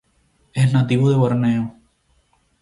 Es nativo de Borneo.